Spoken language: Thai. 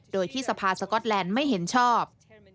โดยที่สภาสก๊อตแลนด์ไม่เห็นชอบ